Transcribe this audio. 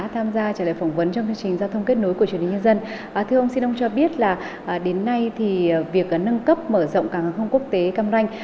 hạ tầng viên cảng hàng không quốc tế cam ranh